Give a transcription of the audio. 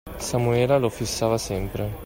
Samuele lo fissava sempre.